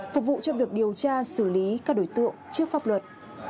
phục vụ cho việc điều tra xử lý các đối tượng trước pháp luật